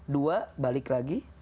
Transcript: dua balik lagi